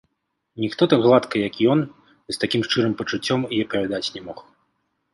Ніхто так гладка, як ён, ды з такім шчырым пачуццем і апавядаць не мог.